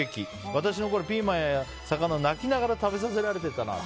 私のころはピーマンや魚を泣きながら食べさせられていたな。